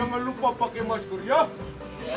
jangan lupa pakai masker ya